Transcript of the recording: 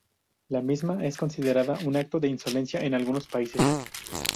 La misma es considerada un acto de insolencia en algunos países.